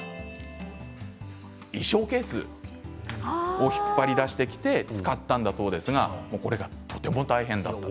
衣装ケースを引っ張り出してきて使ったんだそうですがこれがとても大変だったと。